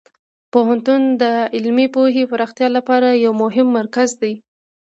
پوهنتون د علمي پوهې پراختیا لپاره یو مهم مرکز دی.